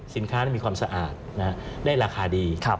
๑สินค้านี้มีความสะอาดได้ราคาดี